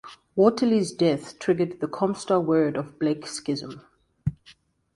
Waterly's death triggered the Comstar-Word of Blake schism.